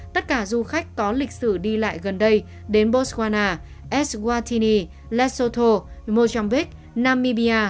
tất cả du khách có lịch sử đi lại gần đây đến botswana eswatini lesotho mojambik namibia